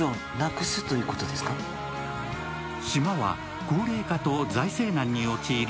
島は高齢化と財政難に陥り